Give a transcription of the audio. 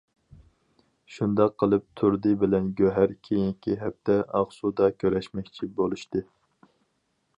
شۇنداق قىلىپ تۇردى بىلەن گۆھەر كېيىنكى ھەپتە ئاقسۇدا كۆرۈشمەكچى بولۇشتى.